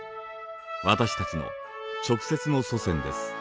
私たちの直接の祖先です。